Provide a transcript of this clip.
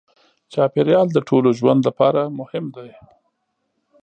چاپېریال د ټولو ژوند لپاره مهم دی.